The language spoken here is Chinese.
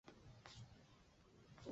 闻名的特产是竹手工艺品。